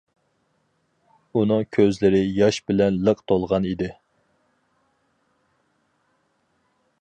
ئۇنىڭ كۆزلىرى ياش بىلەن لىق تولغان ئىدى.